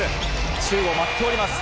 宙を舞っております。